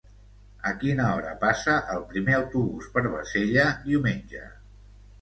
A quina hora passa el primer autobús per Bassella diumenge?